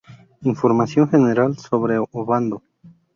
Información general sobre Obando